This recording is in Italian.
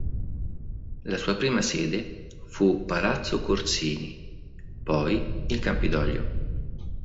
La sua prima sede fu Palazzo Corsini, poi il Campidoglio.